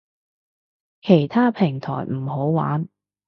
其他平台唔好玩